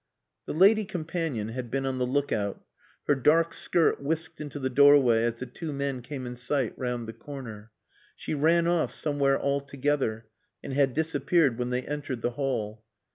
The lady companion had been on the look out. Her dark skirt whisked into the doorway as the two men came in sight round the corner. She ran off somewhere altogether, and had disappeared when they entered the hall.